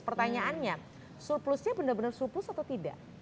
pertanyaannya surplusnya benar benar surplus atau tidak